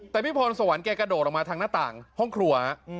แต่พี่พรสวรรค์แกกระโดดออกมาทางหน้าต่างห้องครัว